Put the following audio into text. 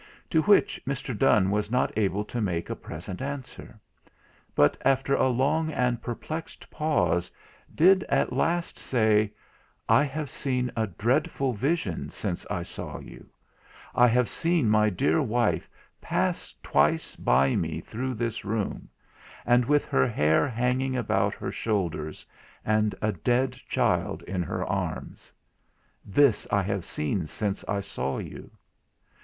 To which Mr. Donne was not able to make a present answer; but, after a long and perplexed pause, did at last say, "I have seen a dreadful vision since I saw you: I have seen my dear wife pass twice by me through this room, with her hair hanging about her shoulders, and a dead child in her arms: this I have seen since I saw you."